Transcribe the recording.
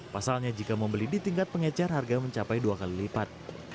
pasalnya jika membeli di tingkat pengecer harga mencapai dua kali lipat